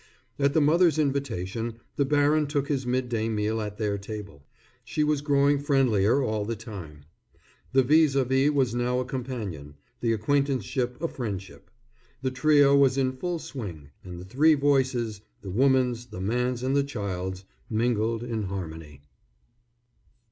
At the mother's invitation, the baron took his mid day meal at their table. She was growing friendlier all the time. The vis à vis was now a companion, the acquaintanceship a friendship. The trio was in full swing, and the three voices, the woman's, the man's and the child's, mingled in harmony.